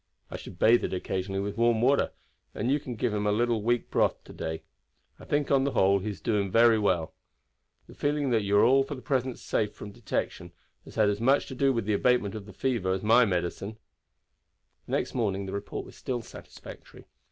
I should bathe it occasionally with warm water, and you can give him a little weak broth to day. I think, on the whole, he is doing very well. The feeling that you are all for the present safe from detection has had as much to do with the abatement of the fever as my medicine." The next morning the report was still satisfactory.